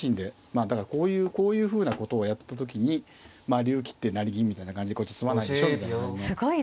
まあだからこういうふうなことをやった時に竜切って成銀みたいな感じでこっち詰まないでしょみたいな感じ。